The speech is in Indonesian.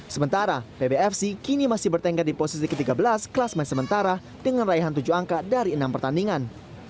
sementara pbfc kini masih bertengkar di posisi ke tiga belas kelas main sementara dengan raihan tujuh angka dari enam pertandingan